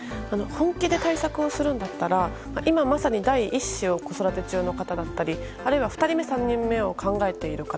本気で対策するならば今まさに第１子を子育て中の方だったりあるいは２人目、３人目を考えている方